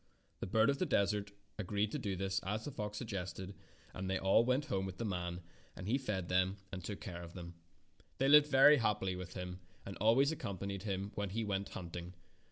The bird of the desert agreed to do as the fox suggested, and they all went home with the man, and he fed and took care of them. 94 Fairy Tale Foxes They lived very happily with him and al ways accompanied him when he went hunt ing.